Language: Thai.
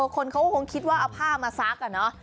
คนเขาก็คงคิดว่าเอาผ้ามาซักอะเนาะ